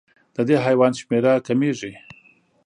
د دې حیوان شمېره کمېږي.